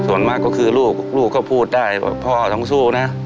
ส่วนมากก็คือลูกลูกก็พูดได้ว่าพ่อต้องสู้นะ